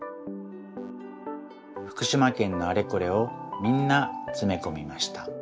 ふくしまけんのあれこれをみんなつめこみました。